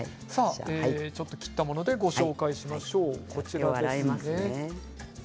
切ったものでご紹介しましょう。